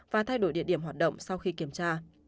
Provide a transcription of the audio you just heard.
và thay đổi địa điểm hoạt động sau khi kiểm tra